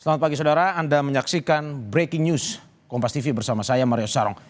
selamat pagi saudara anda menyaksikan breaking news kompas tv bersama saya mario sarong